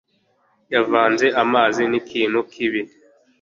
Yavanze amazi n'ikintu kibi.